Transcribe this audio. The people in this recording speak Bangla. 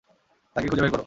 তাকে খুঁজে বের কর।